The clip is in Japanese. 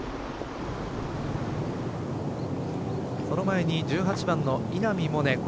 この前に１８番の稲見萌寧。